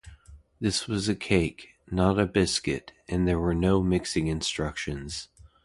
This was a cake, not a biscuit, and there were no mixing instructions.